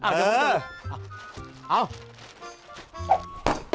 เอา